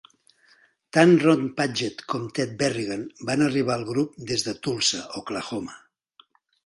Tant Ron Padgett com Ted Berrigan van arribar al grup des de Tulsa, Oklahoma.